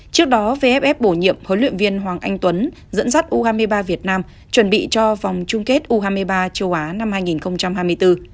trước đó vff bổ nhiệm huấn luyện viên hoàng anh tuấn dẫn dắt u hai mươi ba việt nam chuẩn bị cho vòng chung kết u hai mươi ba châu á năm hai nghìn hai mươi bốn